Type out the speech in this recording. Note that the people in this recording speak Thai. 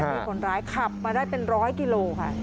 มีคนร้ายขับมาได้เป็นร้อยกิโลค่ะ